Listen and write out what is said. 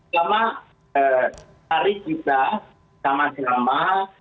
selama tarikh kita sama sama